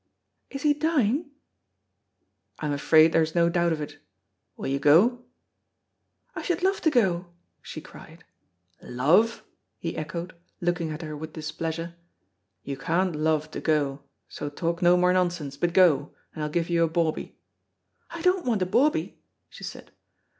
"Is he dying?" "I'm afraid there's no doubt of it. Will you go?" "I should love to go," she cried. "Love!" he echoed, looking at her with displeasure. "You can't love to go, so talk no more nonsense, but go, and I'll give you a bawbee." "I don't want a bawbee," she said.